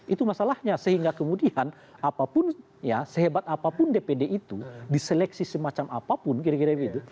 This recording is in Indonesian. itu masalahnya sehingga kemudian apapun ya sehebat apapun dpd itu diseleksi semacam apapun kira kira begitu